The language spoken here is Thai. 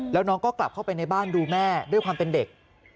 แล้วน้องก็กลับเข้าไปในบ้านดูแม่ด้วยความเป็นเด็ก